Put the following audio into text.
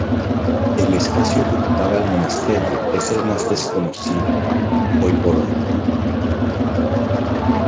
El espacio que ocupaba el monasterio es el más desconocido, hoy por hoy.